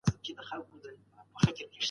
نوري کړني ئې هم داسي وي.